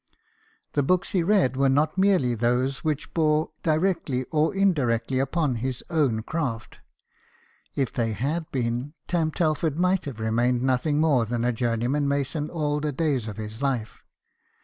The books he read were not merely those which bore directly or indirectly upon his own craft : if they had been, Tarn Telford might have remained nothing more than a journeyman mason all the days of his life.